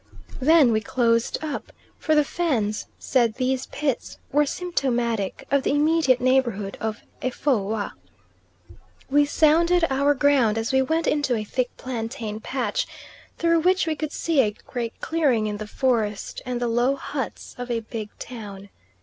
Then we closed up, for the Fans said these pits were symptomatic of the immediate neighbourhood of Efoua. We sounded our ground, as we went into a thick plantain patch, through which we could see a great clearing in the forest, and the low huts of a big town.